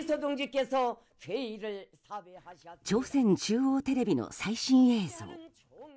朝鮮中央テレビの最新映像。